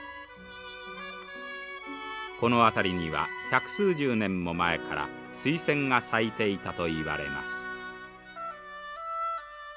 この辺りには百数十年も前からスイセンが咲いていたといわれます。